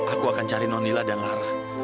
aku akan cari nonila dan lara